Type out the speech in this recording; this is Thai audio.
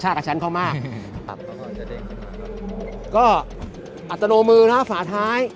ชาติกับฉันเข้ามากก็อัตโนมือนะฝาท้าย